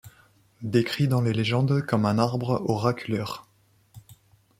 Décrit dans les légendes comme un arbre oraculaire.